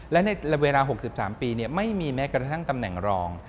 และในเวลา๖๓ปีไม่มีแม้กระทั่งตำแหน่งรอง